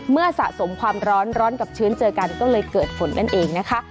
สะสมความร้อนร้อนกับชื้นเจอกันก็เลยเกิดฝนนั่นเองนะคะ